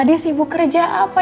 dia sibuk kerja apa